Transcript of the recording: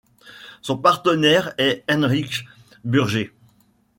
Son partenaire est Heinrich Burger.